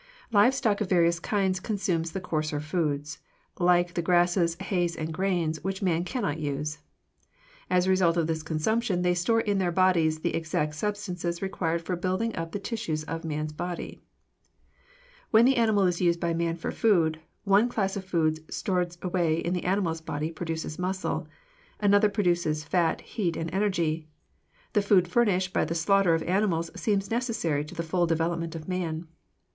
Live stock of various kinds consume the coarser foods, like the grasses, hays, and grains, which man cannot use. As a result of this consumption they store in their bodies the exact substances required for building up the tissues of man's body. When the animal is used by man for food, one class of foods stored away in the animal's body produces muscle; another produces fat, heat, and energy. The food furnished by the slaughter of animals seems necessary to the full development of man.